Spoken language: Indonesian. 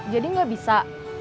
jadi gak bisa